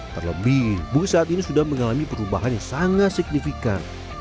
terlebih bus saat ini sudah mengalami perubahan yang sangat signifikan